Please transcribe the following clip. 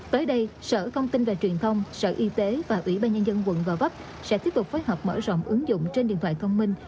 tới đây sở thông tin và truyền thông sở y tế và ủy ban nhân dân quận gò vấp sẽ tiếp tục phối hợp mở rộng ứng dụng trên điện thoại thông minh